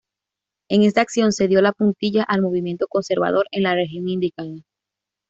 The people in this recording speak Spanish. En esta acción se dio la puntilla al movimiento conservador, en la región indicada.